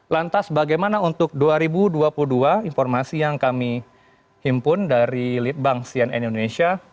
lantas bagaimana untuk dua ribu dua puluh dua informasi yang kami himpun dari litbang cnn indonesia